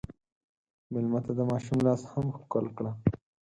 مېلمه ته د ماشوم لاس هم ښکل کړه.